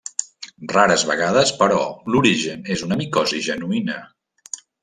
Rares vegades, però, l'origen és una micosi genuïna.